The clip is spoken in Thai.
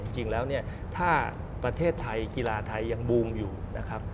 จริงแล้วเนี่ยถ้าประเทศไทยกีฬาไทยยังบูมอยู่นะครับ